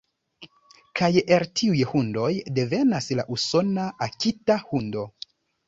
Kaj el tiuj hundoj devenas la usona akita-hundo.